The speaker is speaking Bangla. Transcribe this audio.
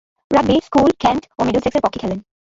রাগবি স্কুল, কেন্ট ও মিডলসেক্সের পক্ষে খেলেন।